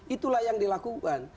itulah yang dilakukan